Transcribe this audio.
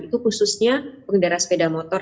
itu khususnya pengendara sepeda motor